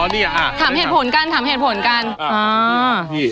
แดงขนร้อยแดงขนร้อย